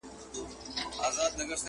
د ګوربت او د بازانو به مېله سوه.!